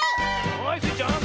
はいスイちゃん。